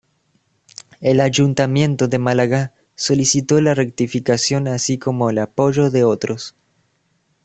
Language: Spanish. El Ayuntamiento de Málaga solicitó la rectificación así como el apoyo de otros.